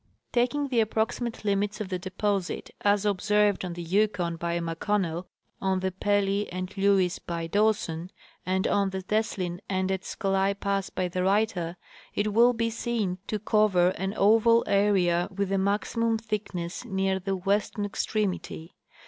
Taking the approximate limits of the deposit, as observed on the Yukon by McConnell, on the Pelly and Lewes by Dawson, and on the Teslin and at Scolai pass by the writer, it will be seen to cover an oval area, with the maximum thickness near the western extremity.